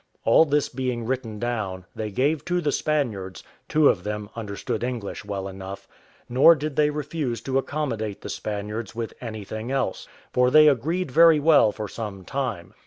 All this being written down, they gave to the Spaniards (two of them understood English well enough): nor did they refuse to accommodate the Spaniards with anything else, for they agreed very well for some time.